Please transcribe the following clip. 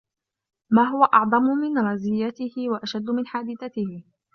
مَا هُوَ أَعْظَمُ مِنْ رَزِيَّتِهِ وَأَشَدُّ مِنْ حَادِثَتِهِ